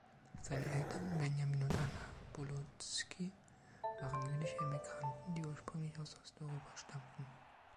Seine Eltern, Benjamin und Anna Bolotsky, waren jüdische Immigranten, die ursprünglich aus Osteuropa stammten.